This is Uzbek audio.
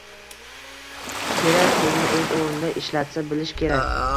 “Kerak” so‘zini o‘z o‘rnida ishlata bilish kerak.